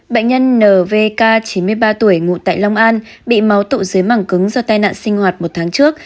bệnh nhân nvk chín mươi ba tuổi ngụ tại long an bị máu tụ dưới mảng cứng do tai nạn sinh hoạt một tháng trước